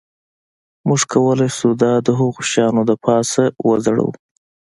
موږ کولی شو دا د هغو شیانو د پاسه وځړوو